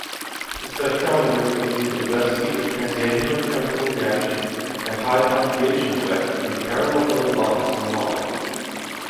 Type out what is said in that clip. The spectrometer was used to investigate the transannular chemical reaction and high conjugation effect between parallel double bonds in the molecule.